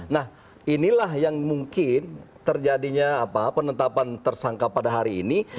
nah inilah yang mungkin terjadinya penetapan tersangka pada hari ini